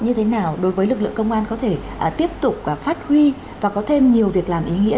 như thế nào đối với lực lượng công an có thể tiếp tục phát huy và có thêm nhiều việc làm ý nghĩa